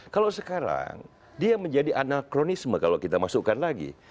kalau sekarang dia menjadi anakronisme kalau kita masukkan lagi